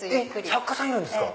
作家さんいるんですか！